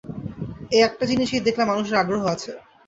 এই একটা জিনিসেই দেখলাম মানুষের আগ্রহ আছে।